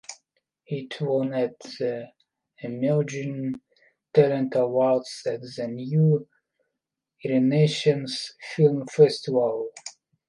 It won at the Emerging Talent Awards at the New Renaissance Film Festival.